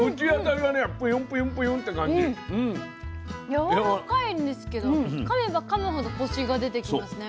やわらかいんですけどかめばかむほどコシが出てきますね。